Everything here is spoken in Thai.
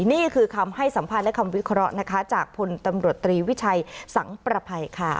นี่คือคำให้สัมภาษณ์และคำวิเคราะห์นะคะจากพลตำรวจตรีวิชัยสังประภัยค่ะ